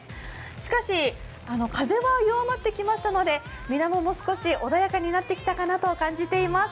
しかし、風は弱まってきましたのでみなもも少し穏やかになってきたのかなと思います。